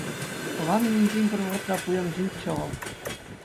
Тӑван енчен пӗр вӑхӑтра пуян ҫынччӗ вӑл.